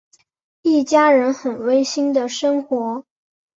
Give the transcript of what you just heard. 一家人很温馨的生活。